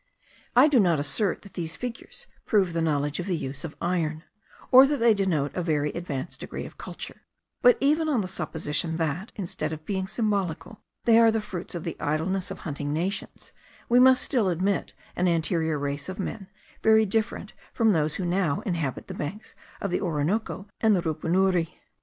I do not assert that these figures prove the knowledge of the use of iron, or that they denote a very advanced degree of culture; but even on the supposition that, instead of being symbolical, they are the fruits of the idleness of hunting nations, we must still admit an anterior race of men, very different from those who now inhabit the banks of the Orinoco and the Rupunuri.